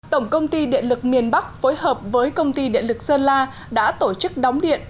tổng công ty điện lực miền bắc phối hợp với công ty điện lực sơn la đã tổ chức đóng điện